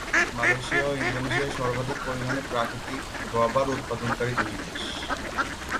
Malaysia ও Indonesia সর্বাধিক পরিমাণে প্রাকৃতিক রবার উৎপাদনকারী দুইটি দেশ।